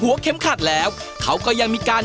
เข็มขัดแล้วเขาก็ยังมีการ